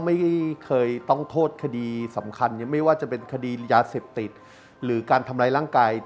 ไม่เคยต้องโทษคดีสำคัญไม่ว่าจะเป็นคดียาเสพติดหรือการทำร้ายร่างกาย